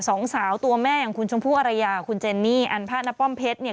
สองสาวตัวแม่อย่างคุณชมพู่อรยาคุณเจนนี่อันพาณป้อมเพชรเนี่ย